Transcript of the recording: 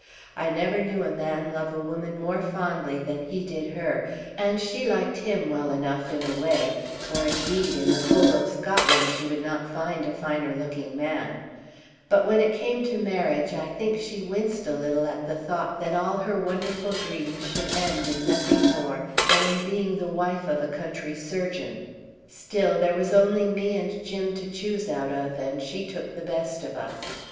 I never knew a man love a woman more fondly than he did her, and she liked him well enough in a way for, indeed, in the whole of Scotland she would not find a finer looking man but when it came to marriage, I think she winced a little at the thought that all her wonderful dreams should end in nothing more than in being the wife of a country surgeon. Still there was only me and Jim to choose out of, and she took the best of us.